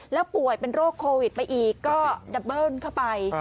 แล้วป่วยเป็นโรคโควิดไปอีกก็ดับเบิ้ลเข้าไป